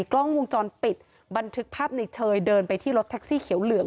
กล้องวงจรปิดบันทึกภาพในเชยเดินไปที่รถแท็กซี่เขียวเหลือง